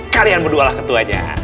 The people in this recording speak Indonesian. kalian berdualah ketuanya